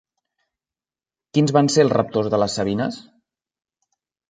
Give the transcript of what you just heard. Quins van ser els raptors de les sabines?